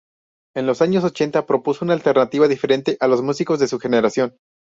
En los años ochenta propuso una alternativa diferente a los músicos de su generación.